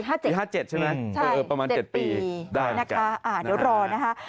ใช่ไหมประมาณ๗ปีได้นะคะอ่าเดี๋ยวรอนะคะ